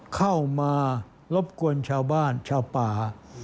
เข้ามารบกวนชาวบ้านชาวป่า